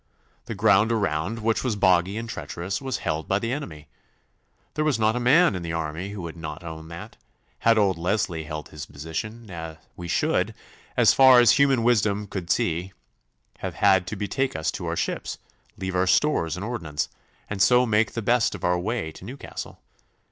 The ground around, which was boggy and treacherous, was held by the enemy. There was not a man in the army who would not own that, had old Leslie held his position, we should, as far as human wisdom could see, have had to betake us to our ships, leave our stores and ordnance, and so make the best of our way to Newcastle.